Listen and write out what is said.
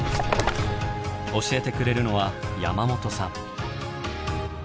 教えてくれるのは山本さん。